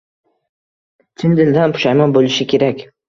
Chin dildan pushaymon bo‘lishi kerak.